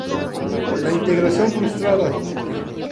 La integración frustrada.